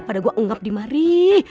pada gua ungap di mari